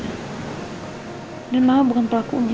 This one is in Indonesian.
dan mama bukan pelakunya